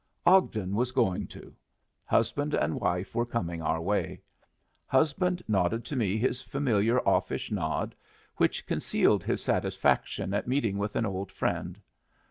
Ogden was going to. Husband and wife were coming our way. Husband nodded to me his familiar offish nod, which concealed his satisfaction at meeting with an old friend.